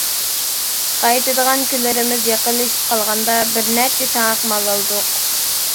قايتىدىغان كۈنلىرىمىز يېقىنلىشىپ قالغاندا بىرنەچچە تېڭىق مال ئالدۇق.